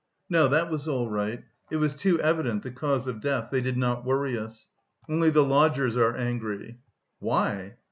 "No, that was all right... it was too evident, the cause of death... they did not worry us... only the lodgers are angry." "Why?"